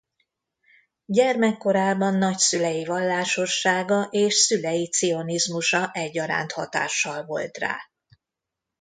Gyermekkorában nagyszülei vallásossága és szülei cionizmusa egyaránt hatással volt rá.